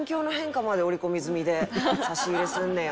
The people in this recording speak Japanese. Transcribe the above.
差し入れすんねや。